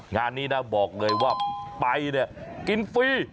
งานนี้นะบอกเลยว่าไปเนี่ยกินฟรี